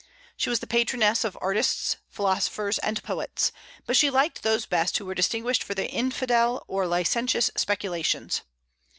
She was the patroness of artists, philosophers, and poets; but she liked those best who were distinguished for their infidel or licentious speculations.